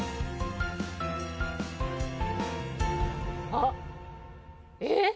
あっえっ？